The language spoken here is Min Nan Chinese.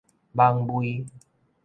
蠓蝛